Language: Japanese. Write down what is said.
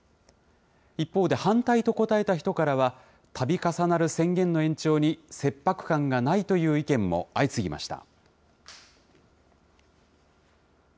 一方で、反対と答えた人からは、たび重なる宣言の延長に、切迫感がないという意見も相次ぎました。